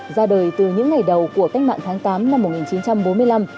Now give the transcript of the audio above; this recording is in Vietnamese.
ra đời từ những ngày đầu của cách mạng tháng tám năm một nghìn chín trăm bốn mươi năm